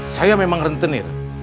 saya memang rentenir